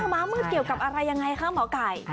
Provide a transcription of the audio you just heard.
ม้ามืดเกี่ยวกับอะไรยังไงคะหมอไก่